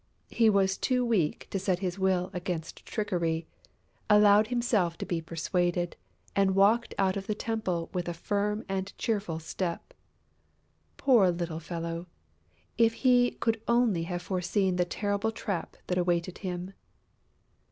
He was too weak to set his will against trickery, allowed himself to be persuaded and walked out of the temple with a firm and cheerful step. Poor little fellow: if he could only have foreseen the terrible trap that awaited him!